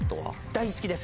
大好きです。